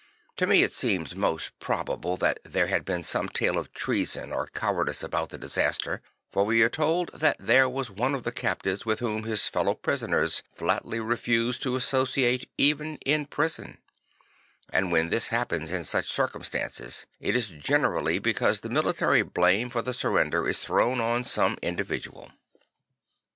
To me it seems most probable that there had been some tale of treason or cowardice about the disaster; for we are told that there was one of the captives with whom his fellow prisoners flatly refused to associate even in prison; and when this happens in such circumstances, it is generally because the military blame for the surrender is thrown on some individual.